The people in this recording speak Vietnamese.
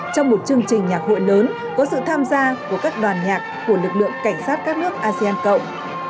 trong một chương trình nhạc hội lớn có sự tham gia của các đoàn nhạc của lực lượng cảnh sát các nước asean cộng